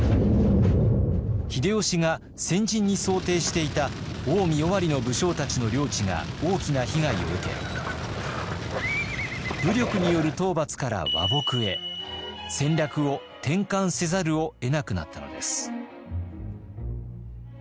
秀吉が戦陣に想定していた近江尾張の武将たちの領地が大きな被害を受け武力による討伐から和睦へ戦略を転換せざるをえなくなったのです。